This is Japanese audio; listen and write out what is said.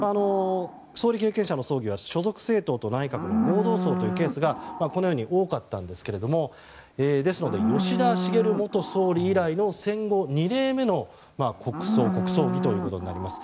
総理経験者の葬儀は所属政党と内閣の合同葬というケースが多かったんですがですので、吉田茂元総理以来の戦後２例目の国葬儀ということになります。